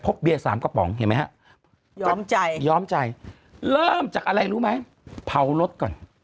เบียร์สามกระป๋องเห็นไหมฮะย้อมใจย้อมใจเริ่มจากอะไรรู้ไหมเผารถก่อน